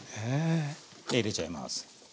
入れちゃいます。